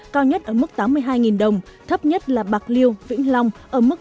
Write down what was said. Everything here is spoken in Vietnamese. cao nhất ở mức tám mươi hai đồng thấp nhất là bạc liêu vĩnh long ở mức bảy mươi tám đồng một kg